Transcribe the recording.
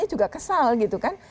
jadi juga kesal gitu kan